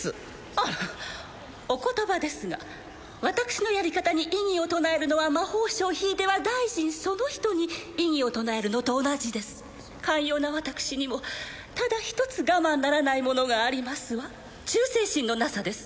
あらお言葉ですが私のやり方に異議を唱えるのは魔法省ひいては大臣その人に異議を唱えるのと同じです寛容な私にもただ一つ我慢ならないものがありますわ忠誠心のなさです